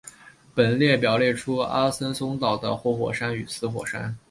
本列表列出阿森松岛的活火山与死火山。